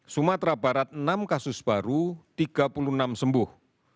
sumatera barat enam kasus baru tiga puluh enam sembuh